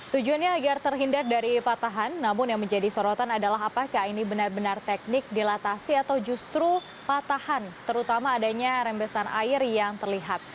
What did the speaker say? tujuannya agar terhindar dari patahan namun yang menjadi sorotan adalah apakah ini benar benar teknik dilatasi atau justru patahan terutama adanya rembesan air yang terlihat